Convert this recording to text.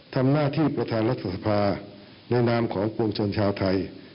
ทำหน้าที่ประธานรัฐสภาในนามของปวงชนชาวไทย